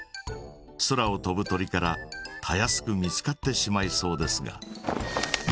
空を飛ぶ鳥からたやすく見つかってしまいそうですが。